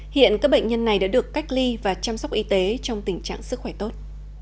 hiện các bệnh nhân này đã được cách ly và chăm sóc y tế trong tình trạng sức khỏe tốt